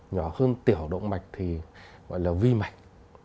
nhỏ hơn tiểu động mạch thì gọi là vi mạch